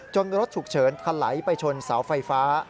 รถฉุกเฉินทะไหลไปชนเสาไฟฟ้า